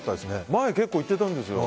前に結構行ってたんですよ。